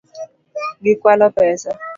Gikwalo pesa